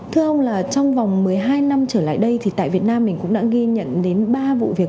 thưa ông là trong vòng một mươi hai năm trở lại đây thì tại việt nam mình cũng đã ghi nhận đến ba vụ việc